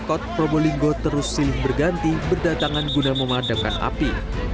pemkot probolinggo terus silih berganti berdatangan guna memadamkan api